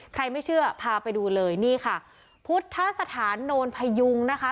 ไม่เชื่อพาไปดูเลยนี่ค่ะพุทธสถานโนนพยุงนะคะ